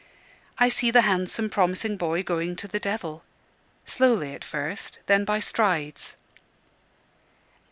I see the handsome promising boy going to the devil slowly at first, then by strides.